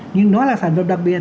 nhưng nó là sản dụng đặc biệt